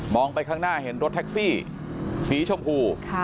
ไปข้างหน้าเห็นรถแท็กซี่สีชมพู